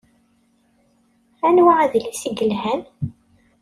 Aniwi adlis i yelhan?